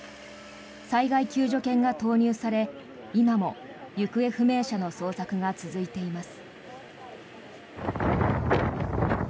災害救助犬が投入され今も行方不明者の捜索が続いています。